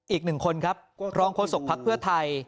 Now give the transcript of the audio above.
อีกหนึ่งคนครับรองโฆษกภักดิ์เพื่อไทย